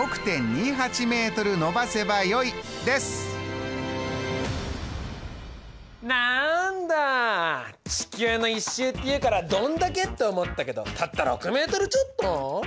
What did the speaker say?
答えはなんだ地球の１周っていうからどんだけって思ったけどたった６ｍちょっと！？